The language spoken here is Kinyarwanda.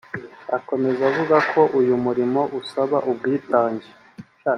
Akomeza avuga ko uyu murimo usaba ubwitange